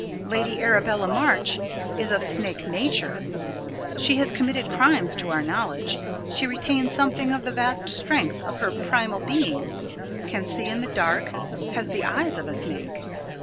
Lady Arabella March is of snake nature. She has committed crimes to our knowledge. She retains something of the vast strength of her primal being can see in the dark has the eyes of a snake.